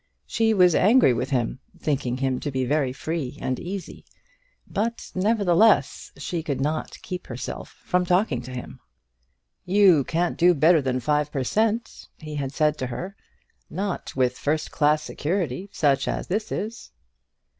She was angry with him, thinking him to be very free and easy; but, nevertheless, she could not keep herself from talking to him. "You can't do better than five per cent," he had said to her, "not with first class security, such as this is."